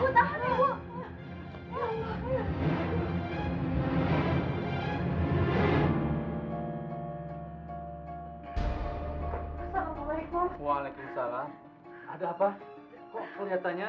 waalaikumsalam ada apa kok kelihatannya